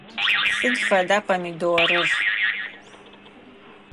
Сыд фэда помидорыр?